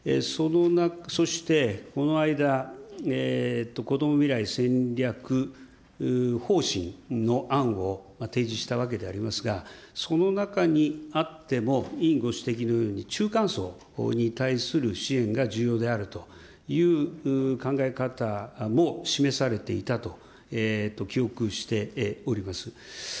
そしてこの間、こども未来戦略方針の案を提示したわけでありますが、その中にあっても、委員ご指摘のように、中間層に対する支援が重要であるという考え方も示されていたと記憶しております。